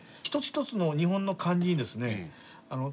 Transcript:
一つ一つの日本の漢字にですね